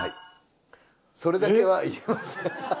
それだけは言えません。